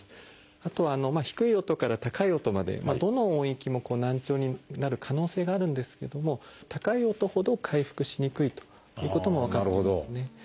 あと低い音から高い音までどの音域も難聴になる可能性があるんですけども高い音ほど回復しにくいということも分かってますね。